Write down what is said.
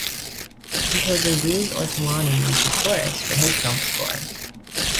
Composer Riz Ortolani used a chorus for his film score.